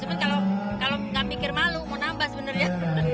cuman kalau nggak mikir malu mau nambah sebenarnya